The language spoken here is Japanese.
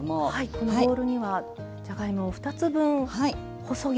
このボウルにはじゃがいも２つ分細切りですね。